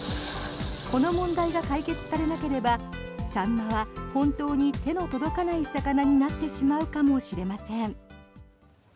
この問題が解決されなければサンマは本当に手の届かない魚になってしまうかもしれません。